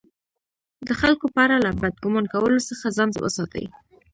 د خلکو په اړه له بد ګمان کولو څخه ځان وساتئ!